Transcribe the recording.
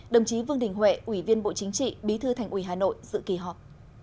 đồng chí vương đình huệ ủy viên bộ chính trị bí thư thành ủy hà nội dự kỳ họp